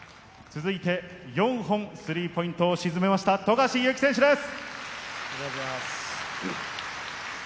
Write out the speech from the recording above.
続いて４本スリーポイントを沈めました富樫勇樹選手です。